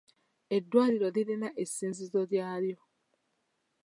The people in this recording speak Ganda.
Eddwaliro lirina essinzizo lyalyo.